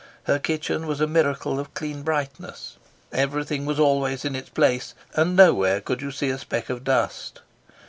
Her kitchen was a miracle of clean brightness. Everything was always in its place, and no where could you see a speck of dust.